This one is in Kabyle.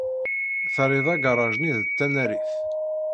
Terrid agaṛaj-nni d tanarit.